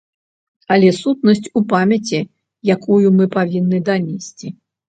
Але сутнасць у памяці, якую мы павінны данесці.